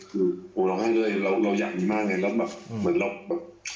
คือผมร้องไห้ด้วยเราเราอยากมีมากเลยแล้วแบบเหมือนเรา